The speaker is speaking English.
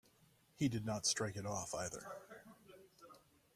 He did not strike it off, either.